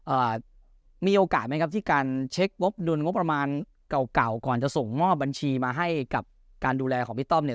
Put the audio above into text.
เอ่อมีโอกาสไหมครับที่การเช็คงบดุลงบประมาณเก่าเก่าก่อนจะส่งมอบบัญชีมาให้กับการดูแลของพี่ต้อมเนี่ย